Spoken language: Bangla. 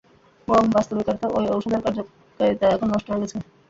বোহ, বাস্তবিক অর্থে ঐ ঔষধের কার্যকারিতা এখন নষ্ট হয়ে গেছে।